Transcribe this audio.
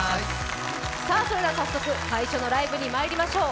それでは早速、最初のライブにまいりましょう。